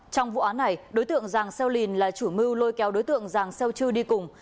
trong vụ án này đối tượng giàng xeo lìn là chủ mưu lôi kéo đối tượng giàng xeo chư đi cùng